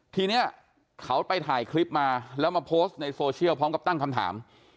ทีนี้เขาไปถ่ายคลิปมาแล้วมาโพสต์ในโซเชียลพร้อมกับตั้งคำถาม